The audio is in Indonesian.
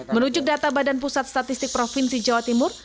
menunjuk data badan pusat statistik provinsi jawa timur